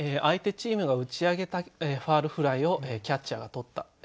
相手チームが打ち上げたファウルフライをキャッチャーが捕った。